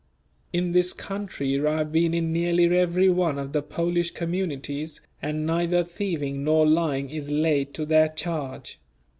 In this country I have been in nearly every one of the Polish communities and neither thieving nor lying is laid to their charge.